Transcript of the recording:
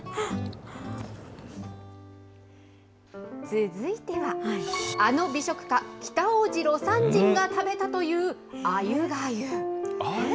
続いては、あの美食家、北大路魯山人が食べたというあゆがゆ。